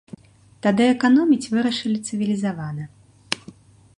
Тады эканоміць вырашылі цывілізавана.